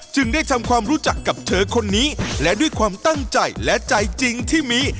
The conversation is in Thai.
ได้ทำความรู้จักกับเธอคนนี้และด้วยความตั้งใจและใจจริงที่มี